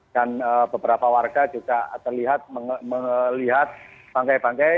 dan beberapa warga juga terlihat melihat bangkai bangkai